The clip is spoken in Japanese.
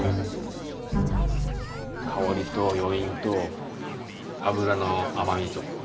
香りと余韻と脂の甘みと。